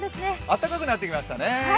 暖かくなってきましたね。